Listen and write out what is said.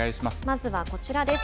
まずはこちらです。